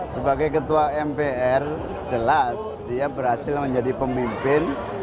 sebagai ketua mpr jelas dia berhasil menjadi pemimpin